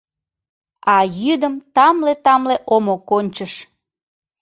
А йӱдым тамле-тамле омо кончыш.